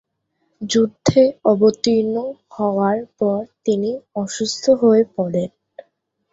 যুদ্ধে অবতীর্ণ হওয়ার পর তিনি অসুস্থ হয়ে পড়েন।